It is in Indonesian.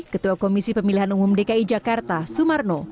ketua komisi pemilihan umum dki jakarta sumarno